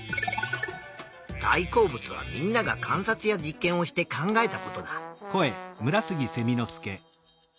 大好物はみんなが観察や実験をして考えたことだ。